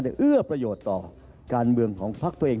และเอื้อประโยชน์ต่อการเมืองของภักดิ์ตัวเอง